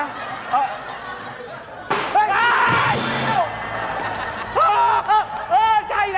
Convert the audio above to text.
เฮ่ย